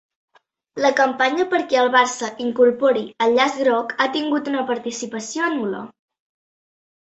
La campanya perquè el Barça incorpori el llaç groc ha tingut una participació nul·la